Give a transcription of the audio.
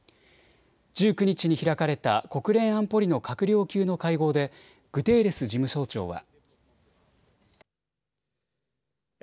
１９日に開かれた国連安保理の閣僚級の会合でグテーレス事務総長は。